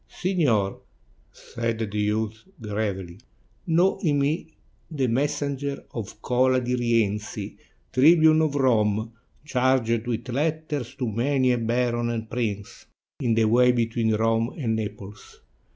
"Signor," said the youth gravely, "know in me the messenger of Cola di Rienzi, Tribune of Rome, charged with letters to many a baron and prince in the ways between Rome and Naples.